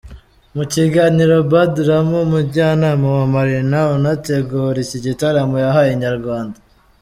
Mu kiganiro BadRama umujyanama wa Marina unategura iki gitaramo yahaye Inyarwanda.